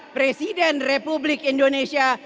presiden republik indonesia